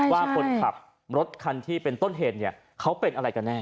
ว่าคนขับรถคันที่เป็นต้นเหตุเนี่ยเขาเป็นอะไรกันแน่